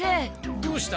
どうした？